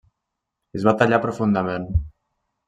Es va tallar profundament.